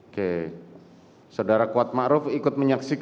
oke soedara kuat makruf ikut menyaksikan